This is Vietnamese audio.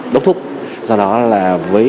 đốt thúc do đó là với